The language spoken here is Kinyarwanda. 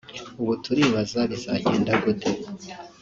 ubu turibaza bizagenda gute